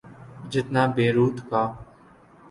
جتنا بیروت کا۔